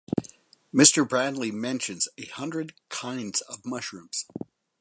Mr. Bradley mentions a hundred kinds of mushrooms.